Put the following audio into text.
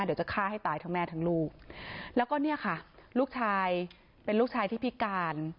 เดี๋ยวจะฆ่าให้ตายทั้งแม่ทั้งลูกแล้วก็เนี่ยค่ะลูกชายเป็นลูกชายที่พิการ